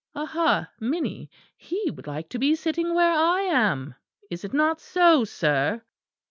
Aha! Minnie; he would like to be sitting where I am is it not so, sir?"